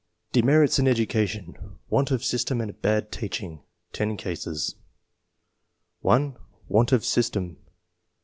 DEMERITS IN EDUCATION : WANT OF SYSTEM AND BAD TEACHING TEN CASES. (1) " Want of system.